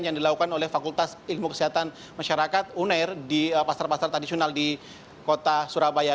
yang dilakukan oleh fakultas ilmu kesehatan masyarakat unair di pasar pasar tradisional di kota surabaya